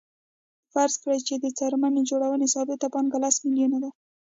فرض کړئ د څرمن جوړونې ثابته پانګه لس میلیونه ده